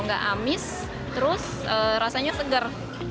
nggak amis terus rasanya segar